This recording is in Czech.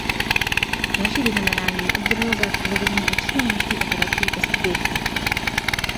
Další vyznamenání obdržel za provedení většího množství operací bez obětí.